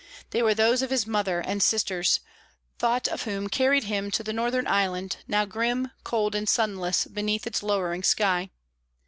They were those of his mother and sisters, thought of whom carried him to the northern island, now grim, cold, and sunless beneath its lowering sky.